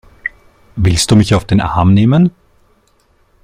Willst du mich auf den Arm nehmen?